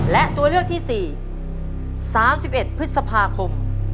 และตัวเลือกที่๔๓๑พฤษภาคม